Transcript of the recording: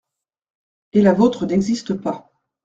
Et la vôtre n’existe pas.